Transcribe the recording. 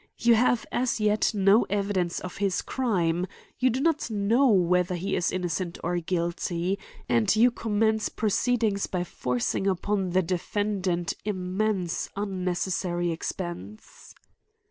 You have as yet no evidence of his crime : you do not know whether he is innocent or guilty; and you com mence proceedings by forcitig upon the defendant immense unnecessary expense.